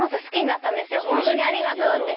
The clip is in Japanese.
ホントにありがとうって。